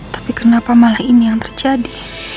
tapi kenapa malah ini yang terjadi